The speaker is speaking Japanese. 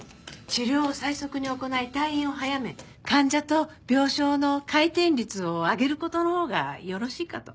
治療を最速に行い退院を早め患者と病床の回転率を上げる事のほうがよろしいかと。